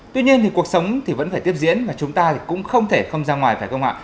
tuy nhiên cuộc sống vẫn phải tiếp diễn và chúng ta cũng không thể không ra ngoài phải không ạ